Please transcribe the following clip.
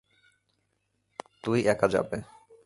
তুই একা যাবে।